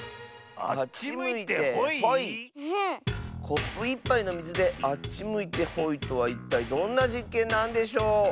コップ１ぱいのみずであっちむいてほいとはいったいどんなじっけんなんでしょう？